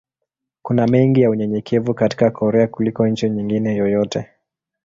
Kuna mengi ya unyenyekevu katika Korea kuliko nchi nyingine yoyote.